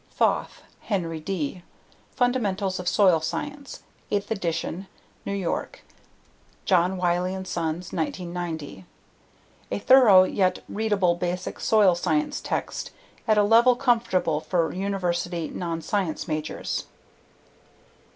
Foth, Henry D. Fundamentals of Soil Science. Eighth Edition. New York: John Wylie & Sons, 1990. A thorough yet readable basic soil science text at a level comfortable for university non science majors.